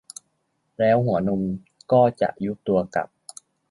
แล้วหัวนมก็จะยุบตัวกลับ